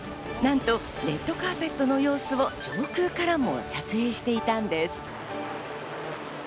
なんとレッドカーペットの様子を上空からも撮影していたんです。